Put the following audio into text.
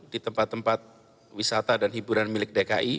di tempat tempat wisata dan hiburan milik dki